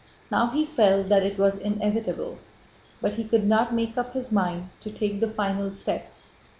Now he felt that it was inevitable, but he could not make up his mind to take the final step.